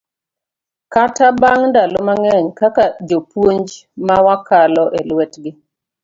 kata bang' ndalo mang'eny kaka jopuonj mawakalo e lwetgi,